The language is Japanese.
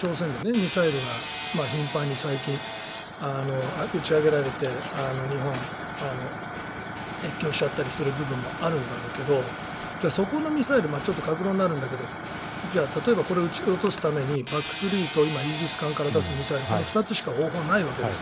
ミサイルが頻繁に最近、打ち上げられて日本を越境しちゃったりする部分もあるんだろうけどじゃあ、そこのミサイルちょっと各論になるんだけどじゃあ、例えばこれを打ち落とすためにＰＡＣ３とイージス艦から出すミサイルこの２つしか方法がないわけです。